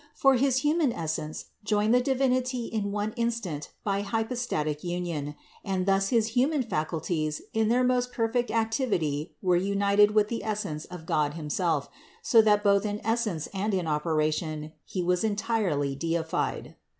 For his human essence joined the Divinity in one instant by hypostatic union, and thus his human faculties in their most perfect ac tivity were united with the essence of God himself, so 116 THE INCARNATION 117 that both in essence and in operation He was entirely deified.